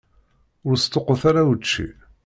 Ur sṭuqqut ara učči.